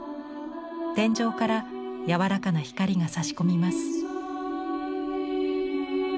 天井から柔らかな光がさし込みます。